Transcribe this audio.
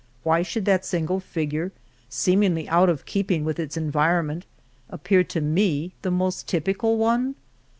Why should that single fig ure, seemingly out of keeping with its en vironment, appear to me the most typical one